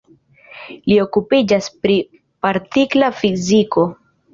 Li okupiĝas pri partikla fiziko.